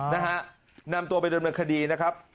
นะฮะนำตัวเป็นด่วนเวทย์คดีนะครับ